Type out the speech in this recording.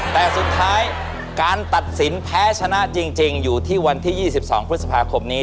แต่สุดท้ายการตัดสินแพ้ชนะจริงอยู่ที่วันที่๒๒พฤษภาคมนี้